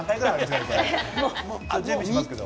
準備しますから。